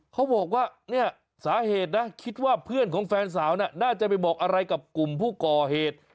เขาบอกว่าเนี่ยสาเหตุนะคิดว่าเพื่อนของแฟนสาวน่ะน่าจะไปบอกอะไรกับกลุ่มผู้ก่อเหตุ